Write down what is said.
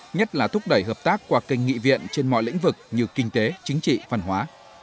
nhất là thúc đẩy hợp tác qua kênh nghị viện trên mọi lĩnh vực như kinh tế chính trị văn hóa